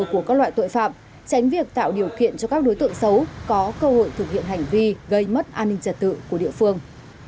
các loại tội phạm tránh việc tạo điều kiện cho các đối tượng xấu có cơ hội thực hiện hành vi gây mất an ninh trật tự của địa phương